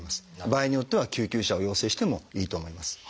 場合によっては救急車を要請してもいいと思います。